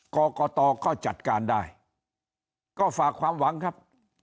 กรกตก็จัดการได้ก็ฝากความหวังครับ